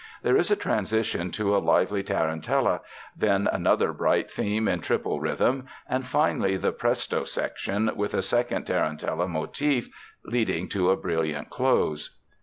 There is a transition to a lively tarantella, then another bright theme in triple rhythm, and finally the Presto section, with a second tarantella motif leading to a brilliant close.